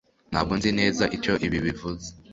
ntabwo nzi neza icyo ibi bivuze